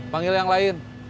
panggil yang lain